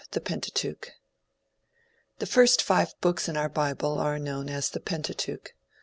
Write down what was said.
THE PENTATEUCH The first five books in our bible are known as the Pentateuch.